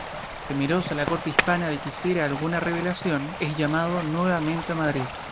Temerosa la Corte hispana de que hiciera alguna revelación, es llamado nuevamente a Madrid.